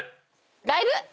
ライブ！